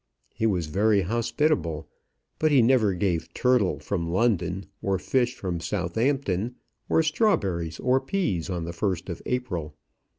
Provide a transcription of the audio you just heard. He was very hospitable, but he never gave turtle from London, or fish from Southampton, or strawberries or peas on the first of April.